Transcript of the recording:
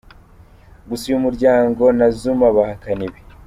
Gusa uyu muryango na Zuma bahakana ibi.